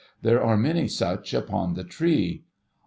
There are many such upon tlie tree